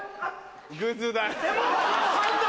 グズだな。